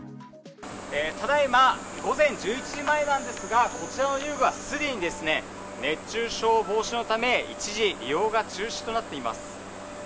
ただいま午前１１時前なんですが、こちらの遊具はすでに熱中症防止のため、一時利用が中止となっています。